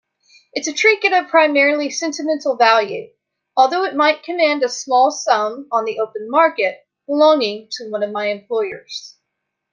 It's a trinket of primarily sentimental value, although it might command a small sum on the open market, belonging to one of my employers.